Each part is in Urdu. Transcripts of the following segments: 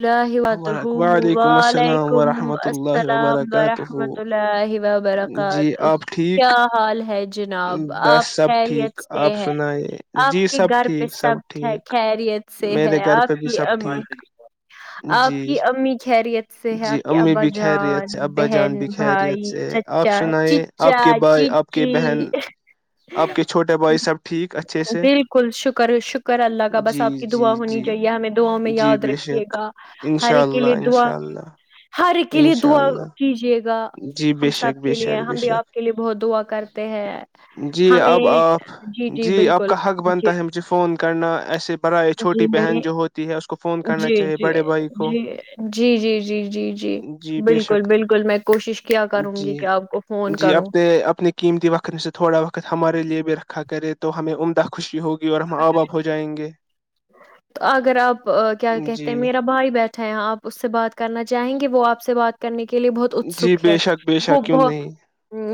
الاہ وتہ وعلیکم السلام ورحمۃ اللہ وبرکاتہ کیا حال ہے جناب آپ خیریت سے ہے آپ کے گھر پہ سب خیریت سے ہے آپ کی امن آپ کی امی خیریت سے ہے آپ کے ابا جان بہن بھائی چچا چچا چیچی بالکل شکر شکر اللہ کا بس آپ کی دعا ہونی چاہیے ہمیں دعاں میں یاد رکھ رکے گا ہر کے لیے دعا ہر کے لیے دعا کیجیے گا ہم سب کے لیے ہم بھی آپ کے لیے بہت دعا کرتے ہیں ہمیں جی جی بالکل جی کرنا ایسے جی نہیں جی جی جی جی جی جی جی جی بالکل بالکل میں جی جی اپنے اپنے قیمتی وقت میں سے تھوڑا وقت ہمارے لیے بھی رکھا کرے تو ہمیں عمدہ خوشی ہوگی اور ہم آب آپ ہو جائیں گے تو اگر آپ کیا کہتے ہیں میرا بھائی بیٹھا ہے آپ اس سے بات کرنا چاہیں گے وہ آپ سے بات کرنے کے لیے بہت اتسک ہے وہ بت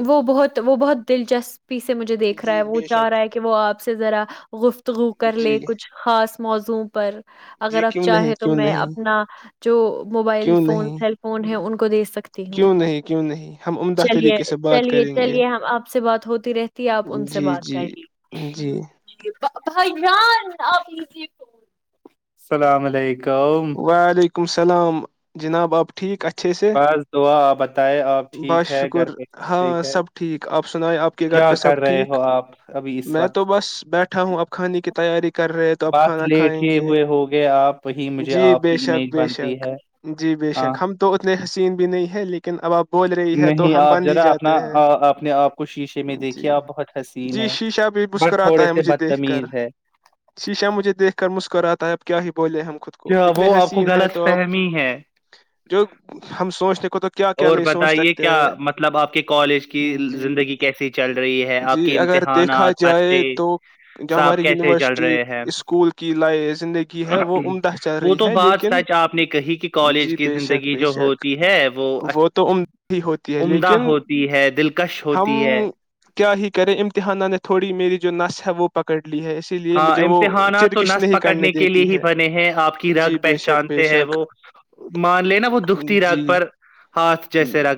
وہ بہت وہ بہت دلچسپ پیچھے مجھے دیکھ رہا ہے وہ چاہ رہا ہے کہ وہ آپ سے ذرا گفتگو کر لے کچھ خاص موضوع پر اگر آپ چاہیں تو میں اپنا جو موبائل فون سیل فون ہیں ان کو کو [unintelligible] ستی ہوں چلیے چلیے چلیے ہم آپ سے بات ہوتی رہتی ہے آپ ان سے بات کر لیھ آپ جی [unintelligible] السلام علیکم کہاؤ [unintelligible] ولیکم السلام جناب آپ ٹھیک اچھے سے بس شکر ہاں سب ٹھیک آپ سنیں آپ کے گھر پہ سب ٹھیک میں تو بس بیٹھا ہوں اپ کھانے کے تیاری بس لیٹے ہوئے ہو گئے آپ ہی م [unintelligible] جی بے شک بے شک جی بے شک ہم تو حسین بھی نہیں ہے لیکن اب آپ بول رہی ہے تو ہم بند ہی جاتے ہیں جی جی شیشہ بھی مسکراتا ہے مجھے دیکھ کر شیشا مجھے دیکھ کر مسکراتا تائب کیا ہی بولے ہم [unintelligible] کیا وہ آپ کو غلط فہمی ہے جو ہم سوچتے کو تو کیا کیا نہیں سوچ سکتے ہیں جی جی اگر دیکھا جائے تو جو ہماری یونیورسٹی اسکول کی ل زندگی ہے وہ عمدہ وہ تو بات سچ آپ نے کہی کہ کالج کی زندگی جو ہوتی ہے وہ تو عمدہ ہی ہوتی ہے لیکن ہم کیا ہی کریں امتحانات نے تھوڑی میری جو نس ہے وہ پکڑ لی ہے اسی لیے مجھے وہ چرگس نہیں کرنے دیتی ہے آپ کی رگ پہچانتے ہیں وہ مان لےینا وہ دکھتی رگ پر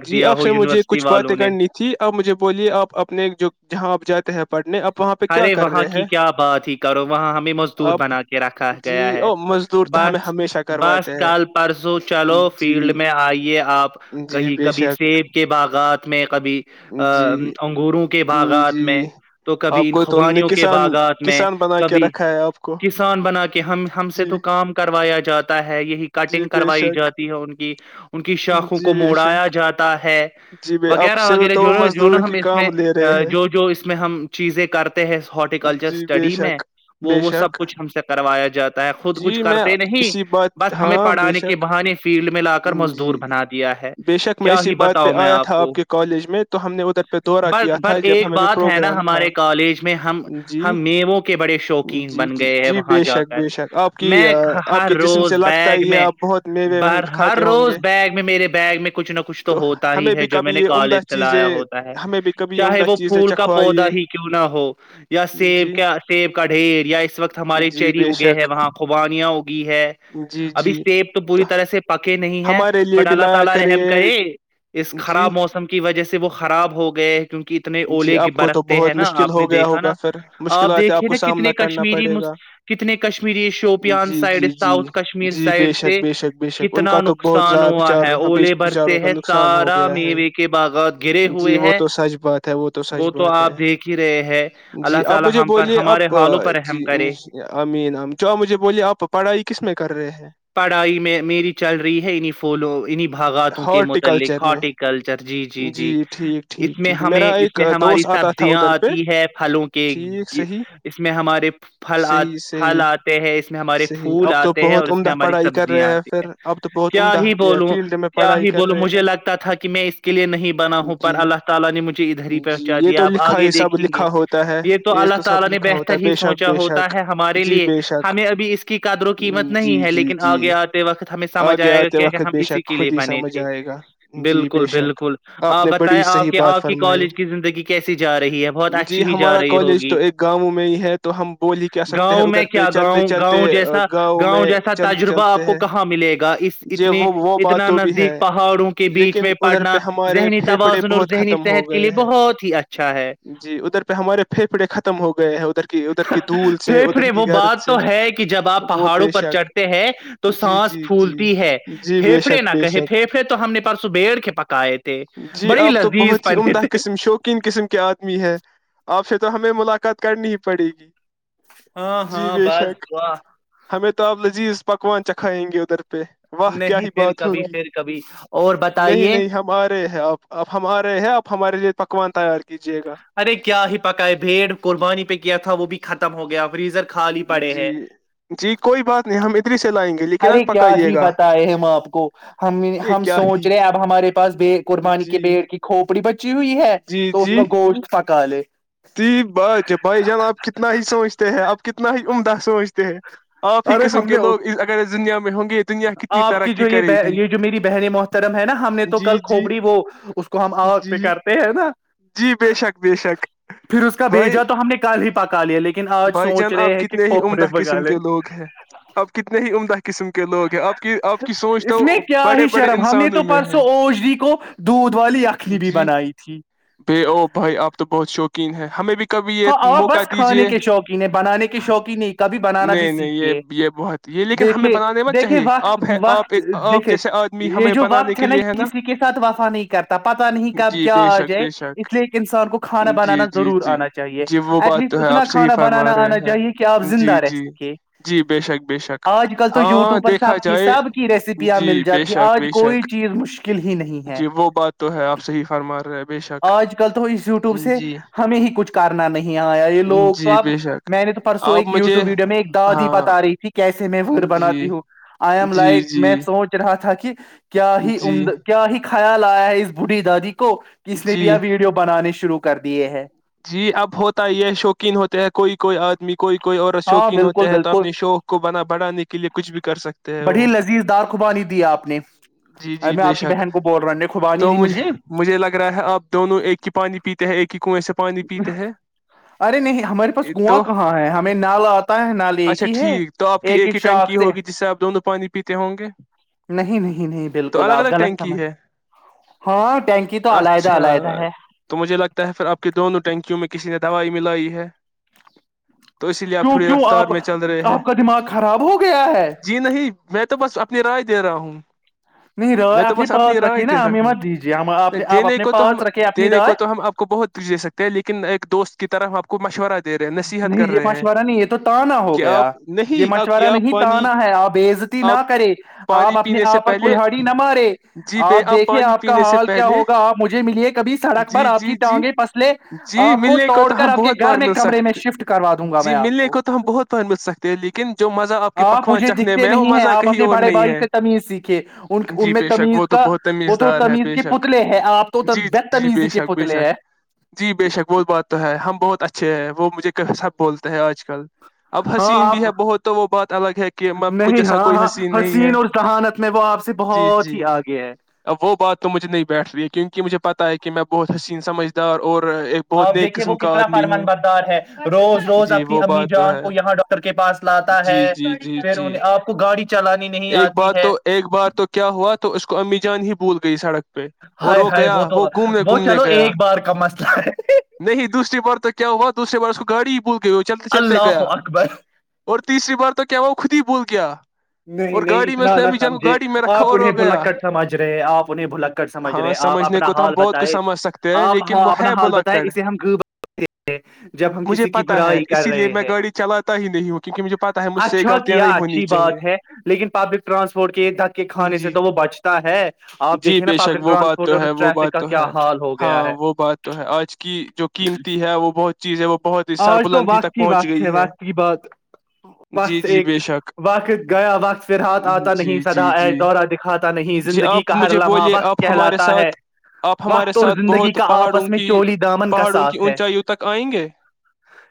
جی آپ سے مجھے کچھ باتیں کرنی تھی اپ مجھے بولیے آپ اپنے جو جہاں آپ جاتے ہیں پڑھنے اب ارے وہاں کی کیا بات ہی کرو وہاں ہمیں مزدور بنا کے رکھا گیا ہے بس بس کل پرسوں چلو فیلڈ میں آئیے آپ کہیں کبھی سیب کے باغات میں کبھی ا انگوروں کے باگات میں تو ان خوبانیوں کے باغات میں کبھی کسان بنا کے ہم ہم سے تو کام کروا جاتا ہے ہے یہی کٹنگ کروائی جاتی ہے ان کی ان کی شاخوں کو موڑایا جاتا ہے وغیرہ وغیرہ جو جو نا ہم اس میں جو جو اس میں ہم چیزیں کرتے ہیں ہارٹیکلچر اسٹڈی میں وہ وہ سب کچھ ہم سے کروایا جاتا ہے خود کچھ کرتے نہیں پڑانے کے بہانے فیلڈ میں جی بےشک میں اسسی بات پہ آیا تھا آپ کے کالج میں تو ہم نے ادھر پہ دورہ کیا تھا جب ہمیں پہ پروگرام تھا کالج میں ہم ہم میووں کے بڑے شوقین بن گئے ہیں وہاں جا کر میں ہر روز بیگ میں بر ہر روز بیگ میں میرے بیگ میں کچھ نہ کچھ تو ہوتا ہی ہے جو میں نے کالج چلایا ہوتا ہے چاہے وہ پھول کا پودا ہی کیوں نہ ہو یا سیب کا سیب کا ڈھیر یا اس وقت ہمارے چیری اگے ہے وہاں خوبانیاں ہے ابھی سیب تو پوری طرح سے پکے نہیں ہے مڈالہ تعالی رحم کرے اس خراب موسم کی وجہ سے وہ خراب ہو گئے کیونکہ اتنے اولے ہے نا آپ نے دیکھا نا آپ دیکھے نا کتنے کشمیری کتنے Kashmiri Shopian side south Kashmir side سے ک اتنا نقصان ہوا ہے اولے بھر سے ہے سارا میوے کے باغات گرے ہوئے ہیں وہ تو آپ جی آپ مجھے بولیے آپ جی امین جو آپ مجھے بولیے آپ پڑھائی کس میں کر رہے ہیں چل رہی ہے انیں پولوں انیں بھاگاتوں کے متعلق ہارٹیکلچر جی جی جی اس میں ہمیں اس میں ہماری سب یاں آتی ہے پھلوں کے اس میں ہمارے پھل آ پھل آتے ہیں اس ہمارے پھول آتے ہیں اور اس میں ہماری سبزیاں آتی ہیں کیا ہی بولوں کیا ہی بولوں مجھے لگتا تھا کہ میں اس کے لیے نہیں بنا ہوں پر اللہ تعالی نے مجھے ادھر ہی پہنچا دیا آپ اگے دیکھیں گے یہ تو اللہ تعالی نے بہتر ہی سوچا ہوتا ہے ہمارے لیے ہمیں اس کی کادروں قیمت نہیں ہے لیکن آگے آتے وقت ہمیں سمجھ آئے گا کہ ہم اسی کے لیے بنے تھے بالکل بالکل آپ بتائیں آپ کے آپ کی کالج کی زندگی کیسے جی ہمارا کالج تو ایک گاؤں میں ہی ہے تو ہم بول ہی کیا سکتے ہیں ادھر پہ چلتے چلتے گاؤں میں چلتے چلتے ہیں اس اتنے اتنا نزدیک پہاڑوں کے بیچ میں پڑھنا ذہنی توازن اور ذہنی صحت کے لیے بہت ہی اچھا جی ادھر پہ ہمارے پھیڑ پھڑے ختم ہو گئے [inaudible] پھر پھرے وہ بات تو ہے کہ جب آپ پہاڑوں پر چڑھتے ہیں تو سانس پھولتے ہے پھیفڑے نہ کہے پھیفڑے تو ہم نے پرس بیڑ کے پکائے تھے بڑی لذیذ پنے تھے آپ سے تو ہمیں ملاقات کرنی ہی پڑے گی جی بے شک ہمیں تو آپ لذیذ پکوان چکھائیں گے ادھر پہ واہ کیا ہی بات ہوگی نہیں نہیں ہمارے ہیں آپ اپ ہمارے ہیں آپ ہمارے لیے پ پکوان تیار کیا ارے کیا ہی پکا ہے بھیڑ قربانی پہ کیا تھا وہ بھی ختم ہو گیا جی جی کوئی بات نہیں ہم اتنی ارے کیا ہی بتائے ہم آپ کو ہم ہم سوچ رہے اب ہمارے پس بے قربانی کے بیڑ کی کوپڑی ب چی ہوئی ہے تو اس کا گوشت پ کالے تی بات ہے بھائی جان آپ کتنا ہی سوچتے ہیں آپ کتنا ہی عمدہ سوچتے ہیں ارے ہم نے آپ کی جو یہ یہ جو میری بہنیں محترم ہے نا ہم نے تو کل کھوپڑی وہ اس کو ہم آ پہ کرتے ہیں نا جی بے شک بے شک بائی ہی پاتہ پکا لیا لیکن آج سوچ رہے ہیں کہ کھوپڑے پگا لے ہے اپ کتنے ہی عمدہ قسم کے لوگ ہیں آپ کی آپ کی سوچ تو بڑے بڑے انسانوں میں ہے جی بے او بھائی آپ تو بہت شوق ہے ہمیں بھی ہاں آو بس کھانے کے شاپ سے بنانے کے شوق ہی نہیں کبھی بنانا بھی سیکھیے دیکھیے دیکھے وقت وقت دیکے یہ جو وقت ہے نا یہ کسی کے ساتھ وفا نہیں کرتا پتا نہیں کب کیا آ جائے اس لیے ایک انسان کو کھانا بنانا ضرور آنا چاہیے چاہیے ایٹ لیسٹ اتنا کھا بنانا آنا چاہیے کہ آپ زندہ رہ سکے آج کل تو یوٹوب پر سب کی سب کی ریسیپیاں مل جاتی آج کوئی چیز مشکل ہی نہیں ہے آج کل تو اس یوٹیوب سے ہمیں ہی کرنا نہیں آیا یہ لوگ تو اب میں نے تو پرسوں ایک یوٹیوب ویڈیو میں ایک دادی بتا رہی تھی کیسے میں ور بناتی ہوں آئی ایم لائک میں سوچ رہا تھا کہ کیا ہی عمد کیا ہی خیال آیا ہے اس بوڑھی دادی کو کس نے بھی یہ ویڈیو بنانے شروع شروع کر دیے ہیں اب ہوتا ہی ہے شوقین ہوتا ہیں کوئی کوئی آدمی کو کوئی کوئی عورت شوقین ہوتے ہے تو اپنے شوق کو بنا بھانے کے لیے کچھ بھی کر سکتے ہیں وہ جی جی بے شک تو مج مجھے لگ رہا ہے آپ دونوں ایک ہی پانی پیتے ہیں ایک ہی کنویں سے ارے نہیں ہمارے پاس کنواں کہاں ہے ہمیں نل آتا ہے نل ایک ہی ہے ایک ہی شاخ سے نہیں نہیں نہیں بالکل آپ غلط سمجھ رہے ہے ٹینکی تو علاحدہ علاحدہ ہے کہ دونوں ٹینکیوں میں کسی نے دوائی ملائی ہے اسی لیے آپ تھوڑی رفتار میں چل رہے ہیں جی نہیں میں تو بس اپنی رائے دے رہا ہوں نہیں رائے اپنے پاس رکھیے نا ہم مت دیجیے ہم آپ اپنے پاس رکھے اپنی رائے سکتے ہیں لیکن ایک دوست کی طرف آپ کو مشورہ آتا نہیں یہ مشورہ نہیں یہ تو تانا ہو گیا یہ مشورہ نہیں تانا ہے آپ بے عزتی نہ کرے آپ اپنے آپ پر کلہلہڑی نہ مارے آپ دیکھے آپ کا حال کیا ہوگا آپ مجھے ملیے کبھی سڑک پر آپ کی ٹانگیں پسلے آپ کو توڑ کر آپ کے گھر میں سکتے جی ملنے کو تو ہم بہت بار مل سکتے ہیں لیکن جو مزہ آپ کے پکوان چاہ میں وہ مزہ کہیں اور نہیں ہے جی بے شک وہ تو بہت تمیز دار ہے بے شک جی جی جی بے شک بے شک جی بے شک وہ بات تو ہے ہم بہت اچھے وہ مجھے سب بولتے ہیں آج کے ک اب حسین بھی ہے بہت تو وہ بات الگ ہے کہ مجھ جسا کوئی حسین نہیں ہے جی جی اب وہ بات تو مجھے نہیں بیٹھ رہی ہے کیونکہ مجھے پتا ہے کہ میں بہت حسین سمجھدار اور آپ دیکھیے وہ کتنا فرما بردار ہے روز روز اپنی امی جان کو یہاں ڈاکٹر کے پاس لاتا ہے پھر ان آپ کو [inaudible] ایک بار تو ایک بار تو کیا ہوا تو اس کو امی جان ہی ب بھول گئی سڑک پہ اور وہ گیا وہ گھومنے گھومنے گیا نہیں دوسری بار تو کیا ہوا دوسری بار اس کو گاڑی بول گ ہو چلتے چلتے گیا اور تیسری بار تو کیا ہوا خود ہی بھول کیا نہیں نہیں اتنا نہ سمجھے آپ انہیں بھلککٹ سمجھ رہے آپ انہیں بھلککٹ سمجھ رہے آپ اپنا حال بتائے آپ اپنا حال بتائے اسے ہم جب ہم کسی کی برائی کر رہے ہیں اچھا کیا اچھی بات لیکن پبلک ٹرانسپورٹ کے دھک کے کھانے سے تو وہ بچتا ہے آپ دیکھے نا پبلک ٹرانسپورٹ اور اس ٹریفک کا کیا حال ہو گیا ہے آج تو وقت کی وقت ہے وقت کی بات وقت ایک وقت گیا وقت فھر ہاتھ آتا نہیں سدا ای دورہ دکھاتا نہیں زندگی کا ہر لمحہ وقت کہلاتا ہے وقت اور زندگی کا آپس میں چولی دامن کا ساتھ ہے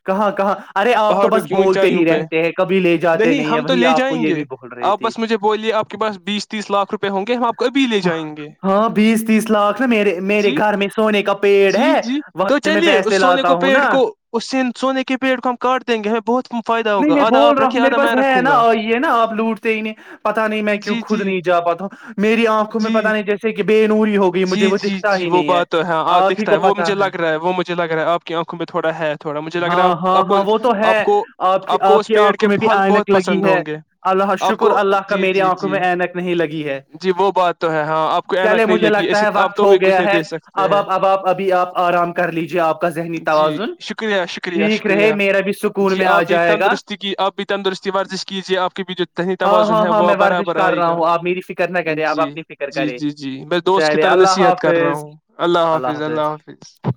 کہاں کہاں ارے آپ تو بس بولتے ہی رہتے ہیں کبھی لے جاتے نہیں ہیں وہی آپ یں گے آپ بس مجھے بولیے آپ کے پاس بیس تیس لاکھ روپئے ہوں گے ہم آپ کو ابھی لے جائیں گے جی جی جی تو چلیے اس سونے کو پیڑ کو سونے کے پیڑ کو ہم کاٹ دیں گے ہمیں بہت فائدہ ہوگا آدھا آپ رکھیے آدھا میں رکھوں گا ہے نا آپ لوٹتے ہی نہیں پتا نہیں میں کیوں خود نہیں جا پاتا ہ میری آنکھوں میں پتا نہیں جیسے کہ جی جی جی وہ بات ہےاں دکھتا ہے وہ مجھے لگ رہا ہے وہ مجھے لگ رہا ہے آپ کی آنکھوں میں تھوڑا ہے تھوڑا مجھے لگ رہا ہے آپ کو آپ کو آپ کو اس پیڑ کے پھل بہت پسند ہوں گے اللہ شکر اللہ کا میری آنکھوں میں اینک نہیں لگی ہے چلیے ہے وقت ہو گیا ہے اب اب اب آپ ابھی آپ آرام کر لیجیے آپ کا ذہنی توازن ٹھیک رہے میرا بھی سکون میں آ جائے گا ہاں ہاں ہاں میں ورزش کر رہا ہوں آپ میری فکر نہ کرے آپ اپنی فکر کرے جی میں دوست کی طرح نصیحت کر رہا ہوں اللہ حافظ اللہ حافظ